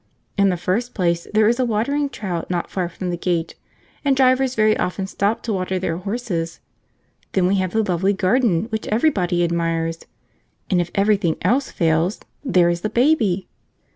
In the first place, there is a watering trough not far from the gate, and drivers very often stop to water their horses; then we have the lovely garden which everybody admires; and if everything else fails, there is the baby.